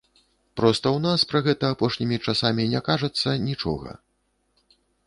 Проста ў нас пра гэта апошнімі часамі не кажацца нічога.